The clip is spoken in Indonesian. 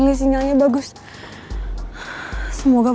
aduh sinyalnya jelek lagi